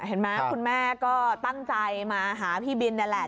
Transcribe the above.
เห็นไหมคุณแม่ก็ตั้งใจมาหาพี่บินนั่นแหละ